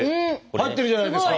合ってるじゃないですか。